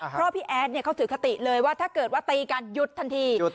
เพราะพี่แอดเขาถือคติเลยว่าถ้าเกิดว่าตีกันหยุดทันที